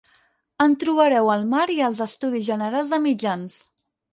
En trobareu al mar i als estudis generals de mitjans.